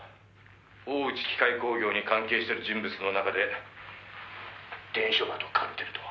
大内機械工業に関係している人物の中で伝書鳩を飼ってるのは」